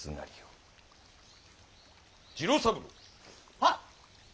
はっ！